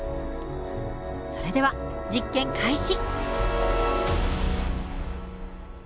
それでは実験開始。